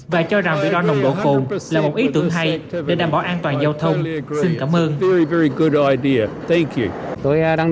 và cho rằng việc đo nồng độ cồn là một ý tưởng hay để đảm bảo an toàn giao thông